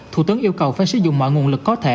thủ tướng yêu cầu phải sử dụng mọi nguồn lực có thể